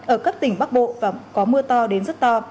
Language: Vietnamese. ở các tỉnh bắc bộ và có mưa to đến rất to